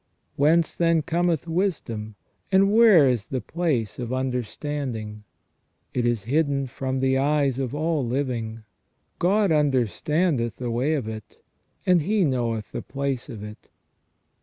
*' Whence then cometh wisdom ? And where is the place of under standing ? It is hidden from the eyes of all living. God under standeth the way of it, and He knoweth the place of it."